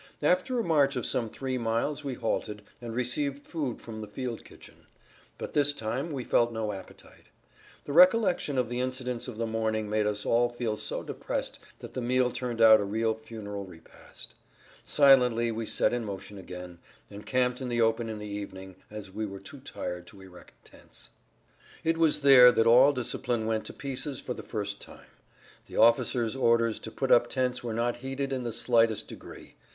After a march of some 3 miles we halted, and received food from the field kitchen. But this time we felt no appetite. The recollection of the incidents of the morning made all of us feel so depressed that the meal turned out a real funeral repast. Silently we set in motion again, and camped in the open in the evening, as we were too tired to erect tents. It was there that all discipline went to pieces for the first time. The officers' orders to put up tents were not heeded in the slightest degree.